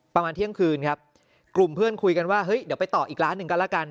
ประมาณเที่ยงคืนครับกลุ่มเพื่อนคุยกันว่าเฮ้ยเดี๋ยวไปต่ออีกร้านหนึ่งก็แล้วกัน